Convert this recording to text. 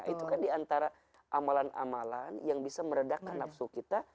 itu kan diantara amalan amalan yang bisa meredakan nafsu kita